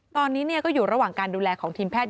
ตอนนี้ก็อยู่ระหว่างการดูแลของทีมแพทย์